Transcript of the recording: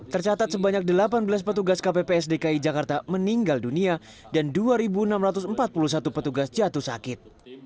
tercatat sebanyak delapan belas petugas kpps dki jakarta meninggal dunia dan dua enam ratus empat puluh satu petugas jatuh sakit